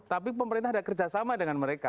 tapi pemerintah ada kerjasama dengan mereka